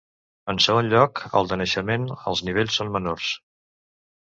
En segon lloc al de naixement els nivells són menors.